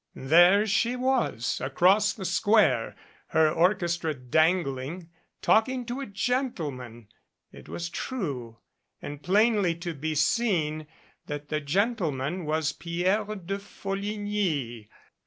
There she was across the square, her orchestra dangling, talking to a gentleman. It was true; and plainly to be seen that the gentleman was Pierre de Folligny.